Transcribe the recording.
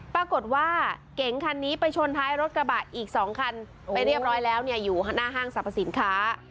ปรากฏว่าเก๋งคันนี้ไปชนท้ายรถกระบะอีก๒คันไปเรียบร้อยแล้วเนี่ยอยู่หน้าห้างสรรพสินค้า